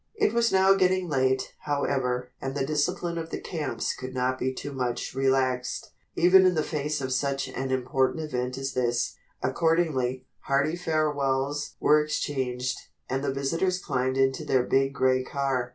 It was now getting late, however, and the discipline of the camps could not be too much relaxed, even in the face of such an important event as this. Accordingly, hearty farewells were exchanged, and the visitors climbed into their big gray car.